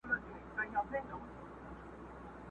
اورېدل يې د رعيتو فريادونه؛